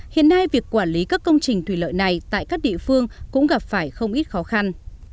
hiện nay việc quản lý các công trình thủy lợi này tại các địa phương cũng gặp phải không ít khó khăn